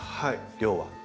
量は。